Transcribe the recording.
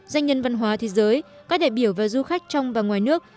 danh nhân văn hóa thế giới các đại biểu và du khách trong và ngoài nước